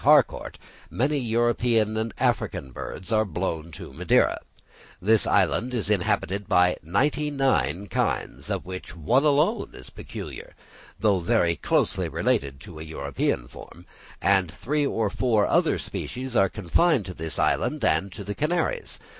Harcourt, many European and African birds are blown to Madeira; this island is inhabited by ninety nine kinds, of which one alone is peculiar, though very closely related to a European form; and three or four other species are confined to this island and to the Canaries.